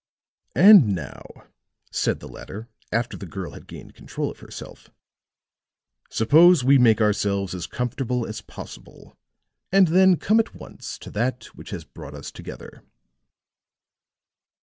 "And now," said the latter, after the girl had gained control of herself, "suppose we make ourselves as comfortable as possible, and then come at once to that which has brought us together."